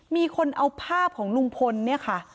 มีคนเอาภาพของลุงพลเนี่ยค่ะ